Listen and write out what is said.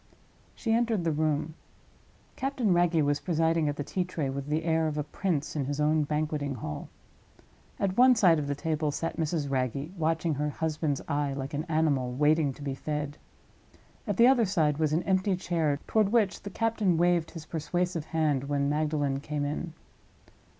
She entered the room. Captain Wragge was presiding at the tea tray with the air of a prince in his own banqueting hall. At one side of the table sat Mrs. Wragge, watching her husband's eye like an animal waiting to be fed. At the other side was an empty chair, toward which the captain waved his persuasive hand when Magdalen came in.